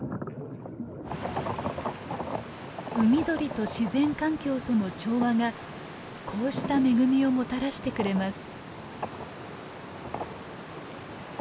海鳥と自然環境との調和がこうした恵みをもたらしてくれます。